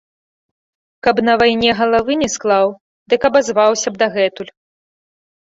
Каб на вайне галавы не склаў, дык абазваўся б дагэтуль.